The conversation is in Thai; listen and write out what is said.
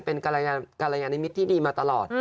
เป็นกรยานิมิตรที่ดีมาตลอด